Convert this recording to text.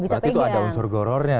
berarti itu ada unsur gorornya